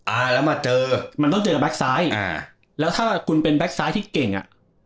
อ่าแล้วมาเจอมันต้องเจอกับแก๊กซ้ายอ่าแล้วถ้าคุณเป็นแก๊กซ้ายที่เก่งอ่ะ